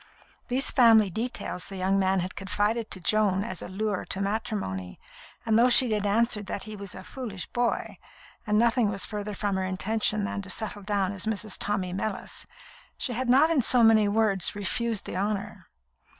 These family details the young man had confided to Joan as a lure to matrimony, and though she had answered that he was a "foolish boy," and nothing was farther from her intention than to settle down as Mrs. Tommy Mellis, she had not in so many words refused the honour.